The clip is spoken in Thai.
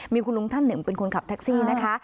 มีคุณลุงท่านหนึ่งเป็นคนขับแท็กซี่นะคะ